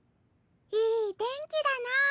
いい天気だなぁ。